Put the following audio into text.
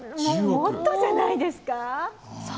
もっとじゃないですか？